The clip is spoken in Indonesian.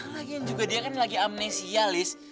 lagian juga dia kan lagi amnesia liz